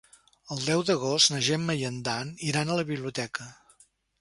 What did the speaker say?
El deu d'agost na Gemma i en Dan iran a la biblioteca.